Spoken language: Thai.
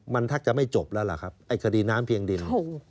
มันทักจะไม่จบแล้วล่ะครับไอ้คดีน้ำเพียงดิน